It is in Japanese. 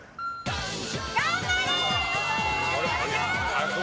頑張れー！